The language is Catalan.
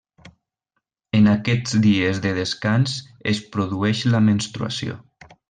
En aquests dies de descans es produeix la menstruació.